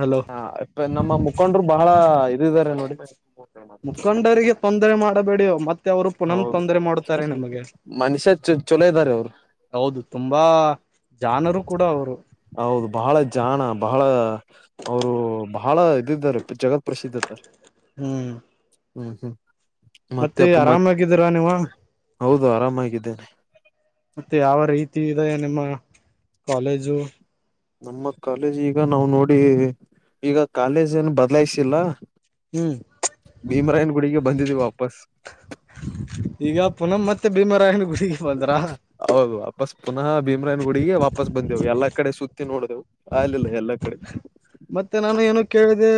Hello ಹಾ ನಮ್ಮ ಮುಖಂಡರು ಬಹಳ ಇದಿದ್ದಾರೆ ನೋಡಿ. ಮುಖಂಡರಿಗೆ ತೊಂದರೆ ಮಾಡಬೇಡಿ ಮತ್ತೆ ಅವರು ಪುನಮ್ ಹೌದು ತೊಂದರೆ ಮಾಡುತ್ತಾರೆ ನಮ್ಗೆ ಮನುಷ್ಯ ಚ ಚೊಲೋ ಇದ್ದಾರೆ ರೀ ಅವರು ಹೌದು ತುಂಬಾ ಜಾನರು ಕೂಡ ಅವರು. ಹೌದು ಬಹಳ ಜಾಣ ಬಹಳ ಅವರು ಬಹಳ ಇದಿದ್ದಾರೆ ಜಗತ್ ಪ್ರಸಿದ್ಧ ಇದ್ದಾರೆ. ಹ್ಮ್ ಹ್ಮ್ ಹ್ಮ್ ಮತ್ತೆ ಅಪ್ಪ ಮತ್ ಆರಾಮಾಗಿದ್ದೀರಾ ನೀವು ಹೌದ ಆರಾಮಾಗಿದ್ದಾರೆ. ಮತ್ತೆ ಯಾವ ರೀತಿ ಇದೆ ನಿಮ್ಮ ಕಾಲೇಜು. ನಮ್ಮ ಕಾಲೇಜ್ ಈಗ ನಾವ್ ನೋಡಿ ಈಗ ಕಾಲೇಜೆನು ಬದಲಾಯಿಸಿಲ್ಲ. ಹ್ಮ್ ಭೀಮರಾಯನಗುಡಿಗೆ ಬಂದ್ದೀವಿ ವಾಪಸ್. ಈಗ ಪುನ್ ಮತ್ತೆ ಭೀಮರಾಯನ ಗುಡಿಗೆ. ಬಂದ್ರ ಹೌದು ವಾಪಸ್ ಪುನಃ ಭೀಮರಾಯನ ಗುಡಿಗೆ ವಾಪಸ್ ವಾಪಸ್ ಬಂದೆವು ಎಲ್ಲಾ ಕಡೆ ಸುತ್ತಿ ನೋಡಿದೆವು ಅಗಲಿಲ್ಲ ಎಲ್ಲಾ ಕಡೆ. ಮತ್ತೆ ನಾನು ಏನು ಕೇಳಿದೆ.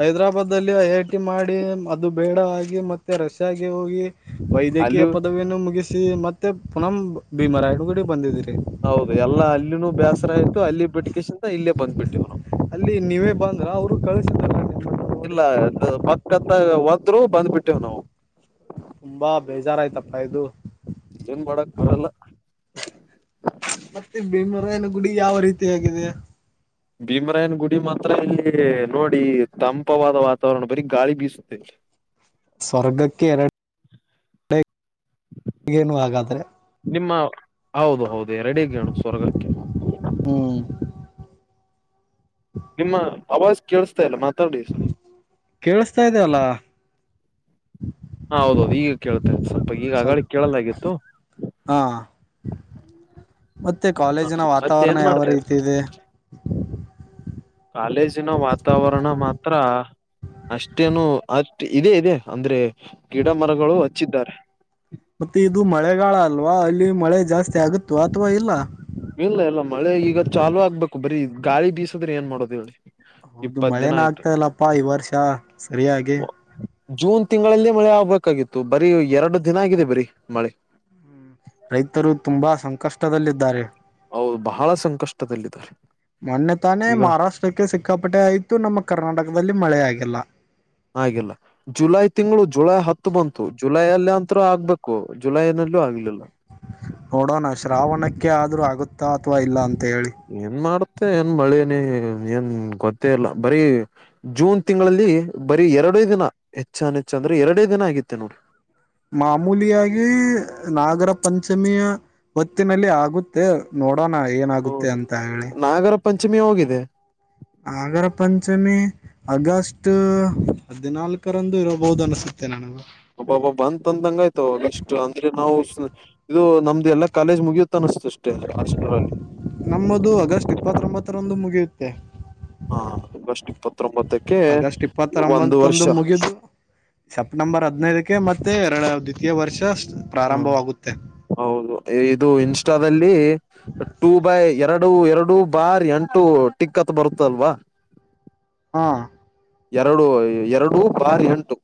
ಹೈದ್ರಾಬಾದ್ ಅಲ್ಲಿ ಐ ಐ ಟಿ ಮಾಡಿ ಅದು ಬೇಡ ಆಗಿ ಮತ್ತೆ ರಷ್ಯಾಗೆ ಹೋಗಿ. ವೈದ್ಯಕೀಯ ಅಲ್ಲಿಯೂ ಪದವಿಯನ್ನು ಮುಗಿಸಿ ಮತ್ತೆ ಪುನಃ ಭೀಮರಾಯನಗುಡಿಗೆ ಬಂದ್ದೀರಿ. ಹೌದು ಎಲ್ಲಾ ಅಲ್ಲಿನೂ ಬೇಸರ ಆಯ್ತು ಅಲ್ಲಿ ಬಿಟ್ಟಕಸ್ ಇಲ್ಲೇ ಬಂದ್ಬಿಟ್ಟೆ ನಾವ್. ಅಲ್ಲಿ ನೀವೇ ಬಂದ್ರ ಅವರು ಕಳಸಿದಾರ ನಿಮ್ನ. ಇಲ್ಲ ಪಕ್ಕತ್ತ್ ಹೋದ್ರೂ ಬಂದ್ಬಿಟ್ಟೇವ್ ನಾವು. ತುಂಬಾ ಬೇಜರ್ ಆಯ್ತಪ್ಪ ಇದು. ಏನ್ ಮಾಡಕ್ ಬರಲ್ಲ. ಮತ್ತೆ ಭೀಮರಾಯನ ಗುಡಿ ಯಾವ ರೀತಿಯಾಗಿದೆ. ಭೀಮರಾಯನ ಗುಡಿ ಮಾತ್ರ ಇಲ್ಲಿ ನೋಡಿ ತಂಪವಾದ ವಾತಾವರಣ ಬರೀ ಗಾಳಿ ಬೀಸುತ್ತೆ. ಸ್ವರ್ಗಕ್ಕೆ ಎರಡು ಏನು ಆಗ ನಿಮ್ಮ ಹೌದು ಹೌದು ಎರಡೇ ಗೇಣು ಸ್ವರ್ಗಕ್ಕೆ. ಹ್ಮ್ ನಿಮ್ಮ ಅವಾಜ್ ಕೇಳಸ್ತಾ ಇಲ್ಲ ಮತ್ತ್ ತ್ತಾಡಿ‌. ಕೇಳಸ್ತಾ ಇದೆ ಅಲ್ಲ. ಹಾ ಹೌದೌದು ಈಗ ಕೇಳ್ತಾ ಇದೆ ಸ್ವಲ್ಪ. ಈಗ ಅಗಳ ಸ್ವಲ್ಪ್ ಕೇಳಲಾಗಿತ್ತು ಹಾ ಮತ್ತೆ ಕಾಲೇಜಿನ ಮತ್ತೆ ವಾತಾವರಣ ಏನ್ ಯಾವ ಮಾಡ್ತಾ ಇದ್ರಿ ರೀತಿ ಇದೆ. ಕಾಲೇಜಿನ ವಾತಾವರಣ ಮಾತ್ರ ಅಷ್ಟೇನು ಅತ್ ಇದೆ ಇದೆ ಅಂದ್ರೆ ಗಿಡ ಮರಗಳು ಹಚ್ಚಿದ್ದಾರೆ. ಮತ್ತೆ ಇದು ಮಳೆಗಾಳ ಅಲ್ವಾ ಇಲ್ಲಿ ಮಳೆ ಜಾಸ್ತಿ ಆಗುತ್ತವಾ ಅಥವಾ ಇಲ್ಲ. ಇಲ್ಲ ಇಲ್ಲ ಮಳೆ ಈಗ ಚಾಲೂ ಆಗ್ಬೇಕು ಬರೀ ಗಾಳಿ ಬೀಸದ್ರೆ ಏನ್ ಮಾಡೋದು ಹೇಳ್ರೀ. ಹೌದು ಮಳೆನೇ ಆಗ್ತ ಇಲ್ಲಪ್ಪ ಈ ವರ್ಷ ಸರಿಯಾಗಿ. ಜೂನ್ ತಿಂಗಳಲ್ಲಿ ಮಳೆ ಆಗ್ಬೇಕಾಗಿತ್ತು ಬರೀ ಎರಡು ದಿನಾ ಆಗಿದೆ ಬರಿ ಮಳೆ. ರೈತರು ತುಂಬಾ ಸಂಕಷ್ಟದಲ್ಲಿದ್ದಾರೆ‌. ಹೌದು ಬಹಳಾ ಸಂ ಮೊನ್ನೆತಾನೆ ಈಗ ಮಹಾರಾಷ್ ಟ್ಟಕ್ಕೆ ಸಿಕ್ಕಾಪಟ್ಟೆ ಆಯ್ತು ನಮ್ಮ ಕರ್ನಾಟಕದಲ್ಲಿ ಮಳೆ ಆಗಿಲ್ಲಾ. ಆಗಿಲ್ಲಾ. ಜುಲೈ ತಿಂಗಳು ಜುಲೈ ಹತ್ತು ಬಂತು ಜುಲೈ ಅಲ್ಲಿ ಅಂತ್ರು ಆಗ್ಬೇಕು ಜುಲೈನಲ್ಲೂ ಆಗ್ಲಿಲ್ಲಾ. ನೋಡೋಣ ಶ್ರಾವಣಕ್ಕೆ ಆದ್ರೂ ಆಗುತ್ತಾ ಅಥವಾ ಇಲ್ಲಾ ಅಂತ ಹೇಳಿ. ಏನ್ ಮಾಡುತ್ತೆ ಏನ್ ಮಳೇನೆ ಏನ್ ಗೊತ್ತೇ ಇಲ್ಲಾ ಬರಿ. ಜೂನ್ ತಿಂಗಳಲ್ಲಿ ಬರೀ ಎರಡೇ ದಿನಾ ಹೆಚ್ಚಾನ ಹೆಚ್ಚ ಅಂದ್ರೆ ಎರಡೇ ದಿನಾ ಆಗಿತ್ತೆ ನೋಡ. ಮಾಮೂಲಿಯಾಗಿ ನಾಗರ ಪಂಚಮಿಯ ಹೊತ್ತಿನಲ್ಲಿ ಆಗುತ್ ತ್ತೆ ನೋಡೋಣ ಏನಾಗುತ್ತೆ ಹೌದು ಅಂತ ಹೇಳಿ. ನಾಗರ ಪಂಚಮಿ ಹೋಗಿದೆ. ನಾಗರ ಪಂಚಮಿ. ಆಗಸ್ಟ ಹದಿನಾಲ್ಕರಂದು ಇರಬಹುದು ಅನಸುತ್ತೆ ನನಗೂ. ಒಬ್ಬ ಒಬ್ಬ ಬಂತಂದಂಗಾಯ್ತು ಇಷ್ಟು ಅಂದ್ರೆ ನಾವು ಸ ಇದು ನಮ್ದ ಎಲ್ಲಾ ಕಾಲೇಜ್ ಮುಗಿಯುತ್ತ ಅನಿಸ್ತು. ಅಷ್ಟೇ ಅಷ್ಟರಲ್ಲಿ ನಮ್ಮದು ಅಗಸ್ಟ ಇಪ್ಪತ್ತೊಂಬತ್ತರಂದು ಮುಗಿಯುತ್ತೆ. ಹಾ ಆಗಸ್ಟ ಇಪ್ಪತ್ರೋಂಬತ್ತ. ಅಗಸ್ಟ ಇಪ್ಪತ್ರೋಂಬತ್ತಂದು ಮುಗಿತ್. ಸಪ್ಟಂಬರ್ ಹದಿನೈದಕ್ಕೆ ಮತ್ತೆ ಎರಡ ದ್ವಿತೀಯ ವರ್ಷ ಹ ಪ್ರಾರಂಭವಾಗುತ್ತೆ. ಹೌದು ಇದು ಇನ್ಸ್ಟಾದಲ್ಲಿ. ಟೂ ಬೈ ಎರಡು ಎರಡು ಬಾರ್ ಎಂಟು ಟಿಕ್ ಅಂತ ಬರುತ್ತಲ್ವಾ. ಹಾ ಎರಡು ಎರಡು ಬಾರ್ ಎಂಟು.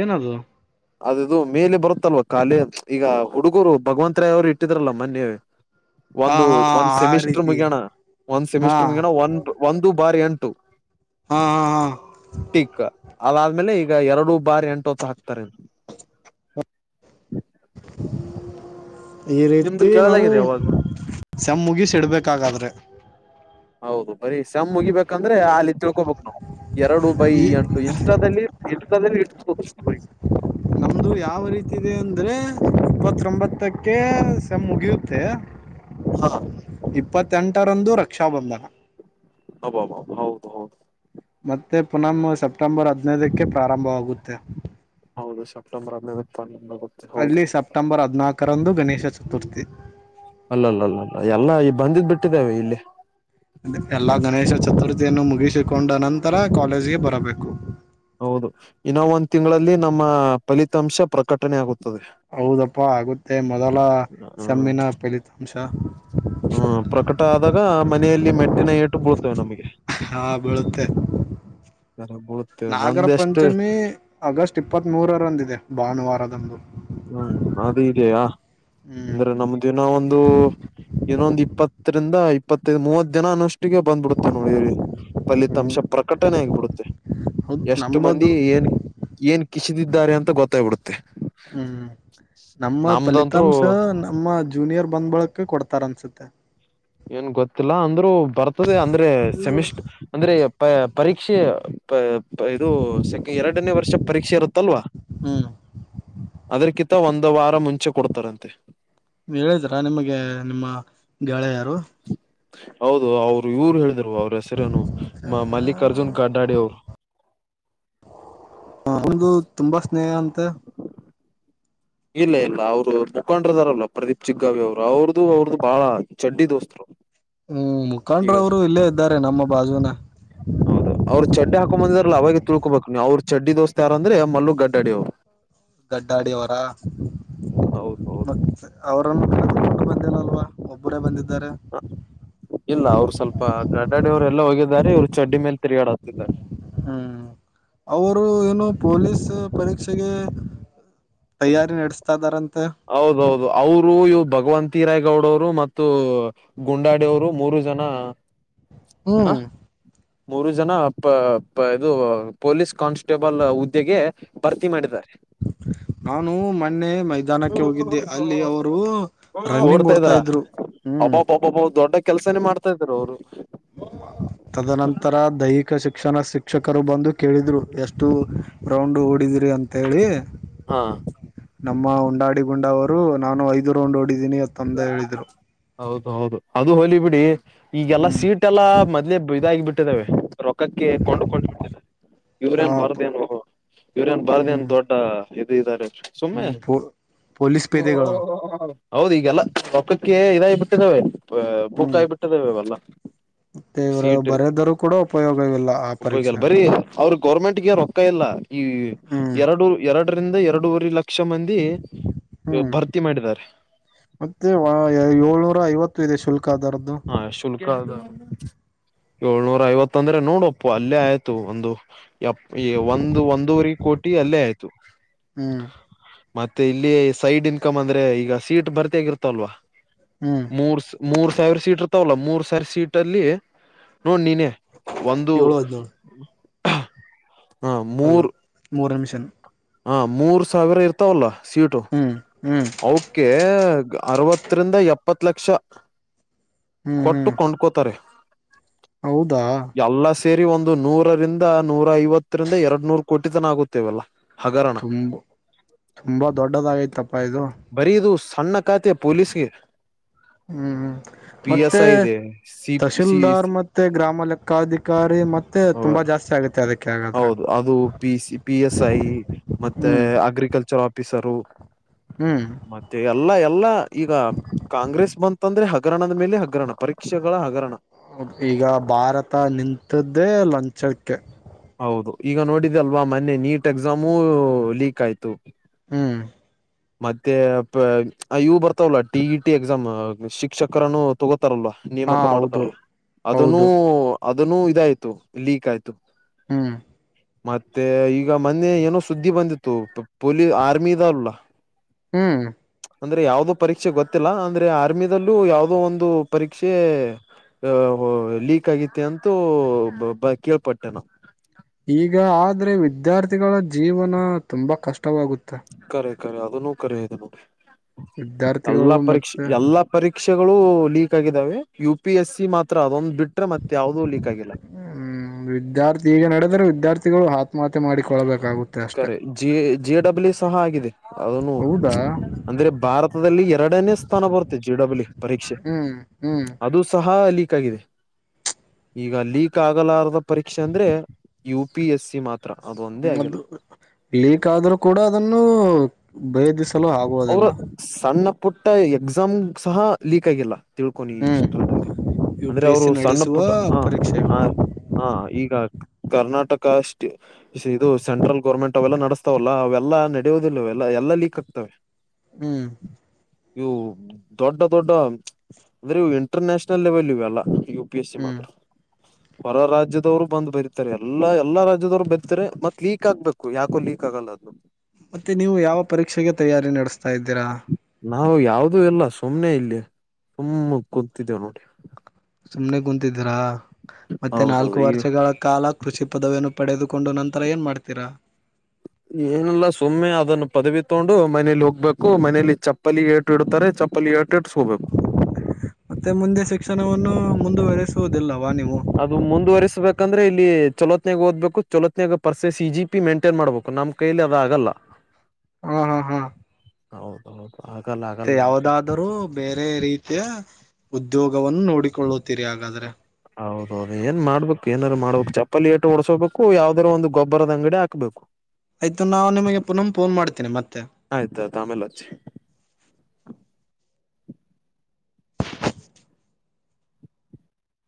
ಏನದು. ಅದ ಇದು ಮೇಲೆ ಬರುತ್ತಲ್ವ ಕಾಲೆ ಪ್ಚ್ ಈಗ ಹುಡುಗೂರು ಭಗವಂತ್ರೆಯವರು ಇಟ್ಟಿದ್ರಲ್ಲ ಮೊನ್ನೆ. ಹು ಒಂದು ಒಂದ್ ಸೆಮಿಸ್ಟರ್ ಮುಗಿಯಣ ಒಂದ್ ಹಾ ಸೆಮಿಸ್ಟರ್ ಮುಗಿಯಣ ಒಂದ ಒಂದು. ಬಾರ್ ಎಂಟು ಹಾ ಹಾ ಹಾ ಟಿಕ್ ಅದಾದ್ಮೇಲೆ ಈಗ ಎರಡು ಬಾರ್ ಎಂ ಟು ತ ಹಾಕ್ತಾರೆ. ಈ ನಿಮ್ದು ರೀತಿ ನಾವು ಕೇಳಲಾಗಿದೆ ಅವಾಜ್ ಸೆಮ್ ಮುಗಿಸಿ ಇಡಬೇಕ ಹಾಗಾದ್ರೆ‌. ಹೌದು ಬರೀ ಸೆಮ್ ಮುಗಿಬೇಕಂದ್ರೆ ಅಲ್ಲಿ ತಿಳ್ಕೋಬೇಕು ನಾವು ಎರಡು ಬೈ ಈ ಎಂಟು ಇನ್ಸ್ಟಾದಲ್ಲಿ. ಇನ್ಸ್ಟಾ ದಲ್ಲಿ ಎಷ್ಟು ಪೋಕಸ್ ಬೈ. ನಮ್ದು ಯಾವ ರೀತಿ ಇದೆ ಅಂದ್ರೆ ಇಪ್ಪತ್ರೋಂಬತ್ತಕ. ಕ್ಕೆ ಸೆಮ್ ಮುಗಿಯುತ್ತೆ ಇಪ್ಪತ್ತೆಂಟರಂದು ರಕ್ಷಾಬಂಧನ. ಅಬಾಬಾಬಾ ಹೌದ ಹೌದ. ಮತ್ತೆ ಪುನಮ ಸೆಪ್ಟೆಂಬರ್ ಹದಿನೈದಕ್ಕೆ ಪ್ರಾರಂಭವಾಗುತ್ತೆ. ಹೌದು ಸೆಪ್ಟೆಂಬರ್ ಹದನೈದಕ ಪ್ರಾರಂಭವಾಗುದ. ಅಲ್ಲಿ ಸೆಪ್ಟೆಂಬರ್ ಹದನಾಲ್ಕರಂದು ಗಣೇಶ ಚತುರ್ಥಿ. ಅಲ್ಲ ಅಲ್ಲ ಅಲ್ಲ ಅಲ್ಲ ಎಲ್ಲಾ ಈ ಬಂದಿದ್ ಬಿಟ್ಟಿದ್ದೇ ಇಲ್ಲಿ. ಎಲ್ಲಾ ಗಣೇಶ ಚತುರ್ಥಿಯನ್ನು ಮುಗಿಸಿಕೊಂಡ ಅನಂತರ ಕಾಲೇಜಿಗೆ ಬರಬೇಕು. ಹೌದು ಇನ್ನೋ ಒಂದ ತಿಂಗಳಲ್ಲಿ ನಮ್ಮ ಫಲಿತಾಂಶ ಪ್ರಕಟಣೆ ಆಗುತ್. ಹೌದಪ್ಪಾ ಆಗುತ್ತೆ ಮೊದಲ ಸಮ್ಮಿನ ಫಲಿತಾಂಶ. ಹು ಪ್ರಕಟ ಆದಾಗ ಮನೆಯಲ್ಲಿ ಮೆಟ್ಟಿನ ಏಟ್ಟು ಬೀಳ್ತವೆ ನಮಗೆ. ಹಾ ಬಳುಕ್ಕೆ. [unintelligible] ನಾಗರ ನಂದೆಷ್ಟು ಪಂಚಮಿ ಆಗಸ್ಟ್ ಇಪ್ಪತ್ತ್ ಮೂರರಂದ್ ಇದೆ ಭಾನುವಾರದಂದು. ಹ್ಮ್ ಅದು ಇದೆಯಾ, ಹ್ಮ್ ಅಂದ್ರೆ ನಮ್ ದಿನ ಒಂದು ಇನ್ನೊಂದ್ ಇಪ್ಪತ್ರಿಂದ, ಇಪ್ಪತ್ತೈದು ಮೂವತ್ ದಿನ ಅನ್ನಷ್ ಟ್ಟಿಗೆ ಬಂದ್ಬಿಡುತ್ತೆ ನೋಡಿ ಹ್ಮ್ ಫಲಿತಾಂಶ ಪ್ರಕಟಣೆ ಆಗ್ಬಿಡುತ್ತೆ. ಹೌದು ಎಷ್ಟು ಮಂದಿ ನಮ್ಮದು ಏನ್ ಏನ್ ಕಿಸಿದಿದ್ದಾರೆ ಅಂತ ಗೊತ್ತಾಗ್ಬಿಡುತ್ತೆ. ಹ್ಮ ನಮ್ಮ ನಮ್ದಂತ್ರು ಫಲಿತಾಂಶ ನಮ್ಮ ಜೂನಿಯರ್ ಬಂದ್ ಬಳ್ಕೆ ಕೊಡ್ತರನ್ಸುತ್ತೆ. ಏನ್ ಗೊತ್ತಿಲ್ಲ ಅಂದ್ರು ಬರ್ತದೆ ಅಂದ್ರೆ ಸೆಮಿಸ್ಟ್, ಅಂದ್ರೆ ಪ ಪರೀಕ್ಷೆ. ಪ ಪ ಇದು ಸೆಕೆ ಎರಡನೇ ವರ್ಷದ್ ಪರೀಕ್ಷೆ ಇರುತ್ತಲ್ವಾ? ಹ್ಮ್ ಅದ್ರ್ಕ್ಕಿತ ಒಂದು ವಾರ ಮುಂಚೆ ಕೊಡ್ತರಂತೆ. ಹೇಳ್ದ್ರಾ ನಿಮ್ಗೆ ನಿಮ್ಮ ಗೆಳೆಯರು. ಹೌದು ಅವ್ರು ಇವ್ರು ಹೇಳ್ದ್ರು ಅವ್ರ್ ಹೆಸ್ರೇನು ಮ ಮಲ್ಲಿಕಾರ್ಜುನ್ ಗಡ್ಡಾಡಿ ಅವ್ರು ಅವ್ನ್ದು ತುಂಬಾ ಸ್ನೇಹ ಅಂತೆ? ಇಲ್ಲ ಇಲ್ಲ ಅವ್ರು ಅವ್ರ್ ಮುಖಂಡ್ರ್ ಇದಾರಲ್ಲ ಪ್ರದೀಪ್ ಚಿಗ್ಗಾವಿ ಅವ್ರು, ಅವ್ರ್ದು ಅವ್ರ್ದು ಬಾಳ ಚಡ್ಡಿ ದೋಸ್ತು. ಹ್ಮ್ ಮುಖಂಡ್ರವ್ರು ಇಲ್ಲೇ ಇದ್ದಾರೆ ನಮ್ಮ ಬಾಜುನ. ಹೌದು ಅವ್ರ್ ಚಡ್ಡಿ ಹಾಕೊಂಬಂದಿದರಲ್ಲ ಅವಾಗೆ ತಿಳ್ಕೋಬೇಕು ನೀವು ಅವ್ರ್ ಚಡ್ಡಿ ದೋಸ್ತ್ ಯಾರಂದ್ರೆ ಮಲ್ಲು ಗಡ್ಡಾಡಿಅವ್ರು. ಗಡ್ಡಾಡಿ ಅವ್ರಾ, ಹೌದೌದು ಹ್ಮ್ ಅವ್ರು [inaudible] ಬಂದಿಲ್ಲಲ್ವಾ ಒಬ್ಬರೇ ಬಂದಿದ್ದಾರೆ. ಹ್ ಇಲ್ಲ ಅವ್ರು ಸ್ವಲ್ಪ ಗಡ್ಡಾಡಿ ಅವ್ರ್ ಎಲ್ಲೋ ಹೋಗಿದ್ದಾರೆ ಇವ್ರು ಚಡ್ಡಿ ಮೇಲ್ ತಿರ್ಗಾಡಕತ್ತಿದ್ದಾರೆ. ಹ್ಮ್ ಅವ್ರು ಏನೊ ಪೊಲೀಸ್ ಪರೀಕ್ಷೆಗೆ. ತಯಾರಿ ನಡ್ಸ್ತಾ ಇದಾರಂತೆ. ಹೌದೌದು ಅವ್ರು ಇವ್ರ್ ಭಗ್ವಂತಿ ರಾಯ್ ಗೌಡವ್ರು ಮತ್ತು ಗುಂಡಾಡಿಯವ್ರು ಮೂರು ಜನ. ಹ್ಮ್ ಆಹ್ ಮೂರು ಜನ ಪ ಪ ಇದು ಪೊಲೀಸ್ ಕಾನ್ಸ್ ಟೇಬಲ್ ಹುದ್ದೆಗೆ ಭರ್ತಿ ಮಾಡಿದ್ದಾರೆ. ನಾನು ಮೊನ್ನೆ ಮೈದಾನಕ್ಕೆ ಹೋಗಿದ್ದೆ ಅಲ್ಲಿ ಅವ್ರೂ ರನ್ನಿಂಗ್ ಓಡ್ತಾ ಇದ್ರು ಹ್ಮ್. ಒಬ್ಬವ್ ದೊಡ್ಡ ಕೆಲ್ಸನೇ ಮಾಡ್ತಾ ಇದರ್ ಅವ್ರು. ತದನಂತರ ದೈಹಿಕ ಶಿಕ್ಷಣ ಶಿಕ್ಷಕರು ಬಂದು ಕೇಳಿದ್ರು ಎಷ್ಟ್ ಟು ರೌಂಡು ಓಡಿದಿರಿ ಅಂತ ಹೇಳಿ. ಹಾ ನಮ್ಮ ಉಂಡಾಡಿ ಗುಂಡವರು ನಾನು ಐದು ರೌಂಡ್ ಓಡಿದ್ದೀನಿ. ತಂದ ಹೇಳಿದ್ರು ಹೌದು ಹೌದು, ಅದು ಹೋಲಿ ಬಿಡಿ. ಈಗೆಲ್ಲಾ ಸೀಟ್ ಎಲ್ಲಾ ಮೊದ್ಲೆೇ ಇದಾಗಿ ಬಿಟ್ಟಿದವೆ. ರೊಕ್ಕಕ್ಕೆ ಕೊಂಡುಕೊಂಡು ಬಿಟ್ಟಿದೆ, ಆ ಯೂವ್ರೇನ್ ಬಾರ್ದೇನು ಯೂವ್ರೇನ್ ಬಾರ್ದೇನ್ ಹ್ಮ್ ದೊಡ್ ಡ್ಡ ಇದ್ ಇದಾರೆ ಸುಮ್ನೆ. ಪೋ ಪೊಲೀಸ್ ಪೇದೆಗಳು ಹೌದ್ ಈಗೆಲ್ಲ ಪಕ್ಕಕ್ಕೆ ಇದಾಗ್ ಬಿಟ್ಟಿದವೆ, ಬುಕ್ಕಾಗ್ಬಿಟ್ಟಿದ್ದಾವೆ ಅವೆಲ್ಲ. ಮತ್ತೇ ಇವ್ರ ಸೀಟ್ ಬರೆದರೂ ಕೂಡ ಉಪಯೋಗವಿಲ್ಲ ಆ ಪರೀಕ್ಷೆ. ಅವ್ರ್ ಗೌರ್ಮೆಂಟ್ಗೆ ರೊಕ್ಕ ಇಲ್ಲ ಈ ಹ್ಮ್ ಎರಡು ಎರ್ಡರಿಂದ ಎರ್ಡೂವರೆ ಲಕ್ಷ ಮಂದಿ ಮಂದಿ ಹ್ಮ್ ಭರ್ತಿ ಮಾಡಿದಾರೆ ಮತ್ತೆ ವ ಏಳ್ನೂರ ಐವತ್ತು ಇದೆ ಶುಲ್ಕ ಅದರದ್ದು. ಹ ಶುಲ್ಕ ಅದ್ ಏಳ್ನೂರ ಐವತ್ ಅಂದ್ರೆ ನೋಡು ಅಪ್ಪ ಅಲ್ಲೇ ಆಯ್ತು ಒಂದು. ಎಪ್ ಎ ಒಂದು ಒಂದೂವರೆ ಕೋಟಿ ಅಲ್ಲೇ ಆಯ್ತು. ಹ್ಮ್ ಮತ್ತೆ ಇಲ್ಲಿ ಸೈಡ್ ಇನ್ಕಮ್ ಅಂದ್ರೆ ಈಗ ಸೀಟ್ ಭರ್ತಿ ಆಗೀರ್ ಇರ್ತಲ್ವಾ. ಹ್ಮ್ ಮೂರ್ ಮೂರ್ ಸಾವಿರ ಸೀಟ್ ಇರ್ತಾವಲ್ಲ ಮೂರ್ ಸಾವಿರ ಸೀಟ್ ಅಲ್ಲಿ ನೋಡ್ ನೀನೇ ಒಂದು.. ಏಳು ಹದಿನೇಳು ಹ ಹಾಲೋ ಮೂರನ್ಮಿಷನ್ ಹಾ ಮೂರ್ ಸಾವಿರ ಇರ್ತಾವಲ್ಲ ಸೀಟು ಹ್ಮ್ ಹ್ಮ್ ಅವುಕೆ ಅರವತ್ತರಿಂದ ಎಪ್ಪತ್ ಲಕ್ಷ ಹ್ಮ್ ಕೊಟ್ಟು ಹ್ಮ್ ಕೊಂಡ್ಕೋತಾರೆ. ಹೌದಾ ಎಲ್ಲ ಸೇರಿ ಒಂದು ನೂರರಿಂದ ನೂರ ಐವತ್ತರಿಂದ ಎರಡ್ ನೂರು ಕೋಟಿ ತನ ಆಗುತ್ತೇ ಇವೇಲ್ಲ ತುಂಬ ತುಂಬಾ ದೊಡ್ಡದಾಗೈತಪ್ಪ ಇದು. ಬರೀ ಇದು ಸಣ್ಣ ಖಾತೆ ಪೊಲೀಸ್ಗೆ ಹ್ಮ್ ಹ್ಮ್ ಪಿ ಎಸ್ ಮತ್ತೆ ಐ ಇದೆ ಸಿ ತಹಶೀಲ್ದಾರ್ ಸಿ ಮತ್ತೆ ಗ್ರಾಮ ಲೆಕ್ಕಾಧಿಕಾರಿ ಮತ್ತೆ ತುಂಬಾ ಜಾಸ್ತಿ ಆಗತ್ತೆ ಅದಕ್ಕೆ. ಹಾಗಾದ್ರೆ ಹೌದು ಅದು P C, P, S, I, ಮತ್ತೆ ಹ್ಮ್ ಅಗ್ರಿಕಲ್ಚರ್ ಆಫ್ ಹಟ್ಟಿಸರು [unintelligible] ಹ್ಮ್ ಮತ್ತೆ ಎಲ್ಲ ಎಲ್ಲಾ ಈಗ ಕಾಂಗ್ರೆಸ್ ಬಂತಂದ್ರೆ ಹಗರಣದ ಮೇಲೆ ಹಗರಣ ಪರೀಕ್ಷೆಗಳ ಹಗರಣ ಈಗ ಭಾರತ ನಿಂತದ್ದೇ ಲಂಚಕ್ಕೆ. ಹೌದು ಈಗ ನೋಡಿದಲ್ವಾ ಮೊನ್ನೆ ನೀಟ್ ಎಕ್ಸಾಮು ಲೀಕ್ ಆಯ್ತು. ಹ್ಮ್ ಮತ್ತೆ ಇವು ಬರ್ತಾವಲ್ಲ ಟಿ. ಇ. ಟಿ. ಎಕ್ಸಾಮ್ ಶಿಕ್ಷಕರನು ತಗೋತಾರಲ್ವಾ ಹಾ ನೇಮಕ ಹೌದು ಮಾಡ್ತಾರಲ್ಲ ಅದನ್ನು ಹೌದು ಅದನ್ನುಇದಾಯ್ತು ಲೀಕ್ ಆಯ್ತು ಹ್ಮ ಮತ್ತೆ ಈಗ ಮೊನ್ನೆ ಏನೋ ಸುದ್ದಿ ಬಂದಿತ್ತು ಪೊಲೀ ಆರ್ಮಿ ಇದಾವಲ್ಲ ಹ್ಮ್ ಅಂದ್ರೆ ಯಾವದೋ ಪರೀಕ್ಷೆ ಗೊತ್ತಿಲ್ಲ ಅಂದ್ರೆ ಆರ್ಮಿದಲ್ಲೂ ಯಾವದೋ ಒಂದು ಪರೀಕ್ಷೆ ಅ ಲೀಕ್ ಆಗ್ಯಾಯ್ತೆ ಅಂತೂ ಬ ಕೇಳ್ಪಟ್ಟೆ ನ ಈಗ ಆದ್ರೆ ವಿದ್ಯಾರ್ಥಿಗಳ ಜೀವನ ತುಂಬಾ ಕಷ್ಟವಾಗುತ್ತೆ. ಕರೆ ಕರೆ ಅದನು ಕರೆ ಇದನು ವಿದ್ಯಾರ್ಥಿಗಳು ಎಲ್ಲಾ ಪರೀಕ್ಷೆ ಮತ್ತೆ ಎಲ್ಲ ಪರೀಕ್ಷೆಗಳು ಲೀಕ್ ಆಗಿದಾವೆ ಯು. ಪಿ. ಎಸ್. ಸಿ. ಮಾತ್ರ ಅದೊಂದ ಬಿಟ್ರೆ ಮತ್ತೆ ಯಾವ್ದೂ ಲೀಕ್ ಆಗಿಲ್ಲ ಹ್ಮ್ ವಿದ್ಯಾರ್ಥಿ ಈಗ ನಡೆದ್ರೆ ವಿದ್ಯಾರ್ಥಿಗಳು ಹ ಕರೆ ಜಿ, ಜಿ. ಡಬ್ಲ್ಯು. ಸಹ ಆಗಿದೆ ಅದನು ಹೌದಾ ಅಂದ್ರೆ ಭಾರತದಲ್ಲಿ ಎರಡನೇ ಸ್ಥಾನ ಬರುತ್ತೆ ಜಿ. ಡಬ್ಲ್. ಪರೀಕ್ಷೆ ಹ್ಮ್ ಹ್ಮ್ ಅದು ಸಹ ಲೀಕ್ ಆಗಿದೆ ಈಗ ಲೀಕ್ ಆಗಲಾರದ ಪರೀಕ್ಷೆ ಅಂದ್ರೆ ಯು. ಪಿ. ಎಸ್. ಸಿ. ಮಾತ್ರ ಅದು ಒಂದೇ ಆಗಿಲ್ಲ ಅದು ಲೀಕ್ ಆದ್ರೂ ಕೂಡ ಅದನ್ನು ಬೇದಿಸಲು ಆಗು ಅವ್ರ ಸಣ್ಣ ಪುಟ್ಟ ಎಕ್ಸಾಮ್ ಸಹ ಲೀಕ್ ಆಗಿಲ್ಲ. ತಿಳ್ಕೊನಿ ಈ ಹ್ಮ್ ಚಿತ್ರದಲ್ಲಿ ಯು ಅಂದ್ರೆ ಪಿ ಎಸ್ ಅವರು ಸಿ ಸಣ್ಣ ನಡೆಸುವ ಪುಟ್ಟ ಹ. ಪರೀಕ್ಷೆಗಳು ಆ ಹಾ ಈಗ ಕರ್ನಾಟಕ ಅಷ್ಟೇ. ಇದು ಸೆಂಟ್ರಲ್ ಗೌರ್ಮೆಂಟ್ ಅವೆಲ್ಲ ನಡೆಸ್ತಾವಲ್ಲ ಅವೆಲ್ಲ ನಡೆಯೋದಿಲ್ಲಅವೇಲ್ಲ ಎಲ್ಲಾ ಲೀಕ್ ಆಗ್ತವೆ ಹ್ಮ್ ಇವು ದೊಡ್ಡ ದೊಡ್ಡ ಅಂದ್ರೆ ಇವು ಇಂಟರ್ ನ್ಯಾಷನಲ್ ಲೆವೆಲ್ ಇವೆಲ್ಲ ಯು ಪಿ ಎಸ್ ಸಿ ಹ್ಮ್ ಮಾತ್ರ. [unintelligible] ಹೊರ ರಾಜ್ಯದವರು ಬಂದು ಬರೀತಾರೆ ಎಲ್ಲಾ ಎಲ್ಲಾ ರಾಜ್ಯದವರೂ ಬರಿರ್ತಾರೆ ಮತ್ ಲೀಕ್ ಆಗ್ಬೇಕು ಯಾಕೋ ಲೀಕ್ ಆಗಲ್ಲ ಅದು. ಮತ್ತೆ ನೀವು ಯಾವ ಪರೀಕ್ಷೆಗೆ ತಯಾರಿ ನಡೆಸ್ತಾ ಇದ್ದೀರಾ. ನಾವು ಯಾವುದೂ ಇಲ್ಲ ಸುಮ್ನೆ ಇಲ್ಲಿ ತುಮ್ಮ ಕೂತಿದ್ದೇವಿ ನೋಡಿ. ಸುಮ್ನೆ ಕುಂತಿದ್ರಾ ಮತ್ತೆ ನಾಲ್ಕು ಹೌದೌದು ಈಗ ವರ್ಷಗಳ ಕಾಲ ಕೃಷಿ ಪದವಿಯನ್ನು ಪಡೆದುಕೊಂಡು ನಂತರ ಏನು ಮಾಡ್ತೀರಾ. ಏನಿಲ್ಲ ಸುಮ್ಮನೆ ಅದನ್ನು ಪದವಿ ತಗೊಂಡು ಮನೇಲಿ ಹೋಗ್ಬೇಕು ಮನೇಲಿ ಚಪ್ಪಲಿ ಏ ಟ್ಟು ಇಡ್ತಾರೆ ಚಪ್ಪಲಿ ಏಟ್ಟು ಇಟ್ಸ್ಕೋಬೇಕು. ಮತ್ತೆ ಮುಂದೆ ಶಿಕ್ಷಣವನ್ನು ಮುಂದುವರೆಸುವುದಿಲ್ಲವಾ ನೀವು. ಅದು ಮುಂದುವಸ್ಬೇಕಂದ್ರೆ ಇಲ್ಲಿ ಚೊಲೋತ್ನಾಗ ಓದ್ಬೇಕು ಚೊಲೋತ್ತನಾಗ ಪರ್ಸೆಸ್ ಸಿ ಜಿ ಪಿ ಮೇಂಟೈನ್ ಮಾಡ್ಬೇಕು ನಮ್ ಕೈಲಿ ಅದು ಆಗಲ್ಲ. [inaudible] ಹಾ ಹಾ ಹೌದ ಹೌದು ಆಗಲ್ಲ ಆಗಲ್ಲ ನಿಮ್ ಕೈ ರು ಬೇರೆ ರೀತಿಯ ಉದ್ಯೋಗವನ್ನು ನೋಡಿಕೊಳ್ಳುತ್ತೀರಿ ಹಾಗಾದ್ರೆ. ಹೌದೌದು ಏನ್ ಮಾಡ್ಬೇಕು ಏನಾದ್ರು ಮಾಡ್ಬೇಕು ಚಪ್ಪಲಿ ಏಟ್ಟು ಓಡ್ಸೋಬೇಕು ಯಾವುದ್ರೂ ಒಂದು ಗೊಬ್ಬರದ ಅಂಗಡಿ ಹಾಕಬೇಕು. [inaudible] ಆಯ್ತು ನಾವು ನಿಮಗೆ ಪುನಃ ಫೋನ್ ಮಾಡತೀನಿ ಮತ್ತೆ. ಆಯ್ತಾಯ್ತು ಆಮೇಲೆ ಹಚ್ಚಿ.